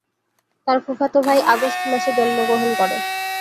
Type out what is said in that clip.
তার ফুফাতো ভাই আগস্ট মাসে জন্মগ্রহণ করে।